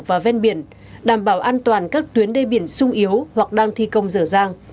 và ven biển đảm bảo an toàn các tuyến đê biển sung yếu hoặc đang thi công dở dàng